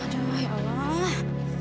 aduh ya allah